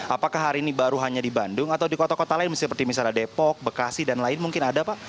apakah hari ini baru hanya di bandung atau di kota kota lain seperti misalnya depok bekasi dan lain mungkin ada pak